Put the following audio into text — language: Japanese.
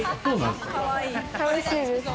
楽しいです。